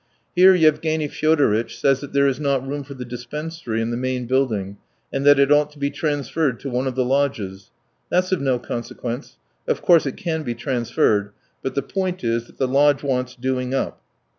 "Here Yevgeny Fyodoritch says that there is not room for the dispensary in the main building, and that it ought to be transferred to one of the lodges. That's of no consequence of course it can be transferred, but the point is that the lodge wants doing up."